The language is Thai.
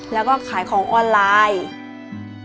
แล้วก็ขายของออนไลน์